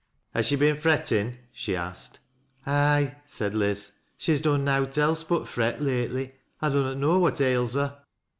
" Has she been frettin' ?" she asked. " Ay," said Liz, " she's done nowt else but fret lately. I dunnot know what ails her."